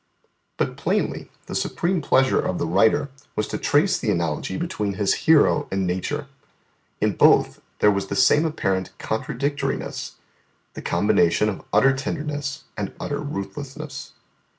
But plainly the supreme pleasure of the writer was to trace the analogy between his hero and nature. In both there was the same apparent contradictoriness the combination of utter tenderness and utter ruthlessness.